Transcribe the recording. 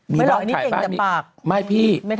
ไม่หรอกอันนี้เย็นจำปาก